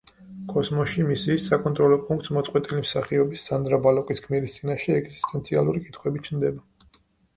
კოსმოსში მისიის საკონტროლო პუნქტს მოწყვეტილი მსახიობის, სანდრა ბალოკის გმირის წინაშე ეგზისტენციალური კითხვები ჩნდება.